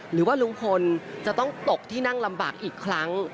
หรือว่าลุงพลจะต้องตกที่นั่งลำบากอีกครั้ง